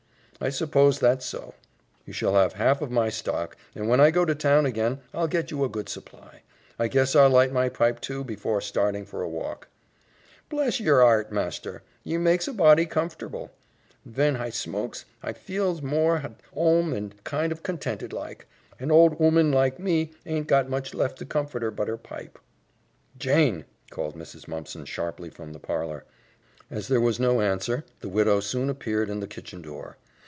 "I suppose that's so. You shall have half of my stock, and when I go to town again, I'll get you a good supply. I guess I'll light my pipe, too, before starting for a walk." "Bless yer 'art, master, ye makes a body comf'terble. Ven hi smokes, hi feels more hat 'ome and kind o' contented like. An hold 'ooman like me haint got much left to comfort 'er but 'er pipe." "Jane!" called Mrs. Mumpson sharply from the parlor. As there was no answer, the widow soon appeared in the kitchen door.